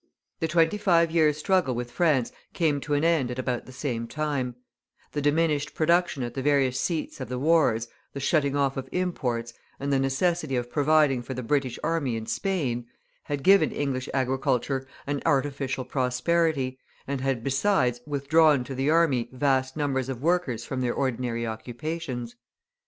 The twenty five years' struggle with France came to an end at about the same time; the diminished production at the various seats of the wars, the shutting off of imports, and the necessity of providing for the British army in Spain, had given English agriculture an artificial prosperity, and had besides withdrawn to the army vast numbers of workers from their ordinary occupations.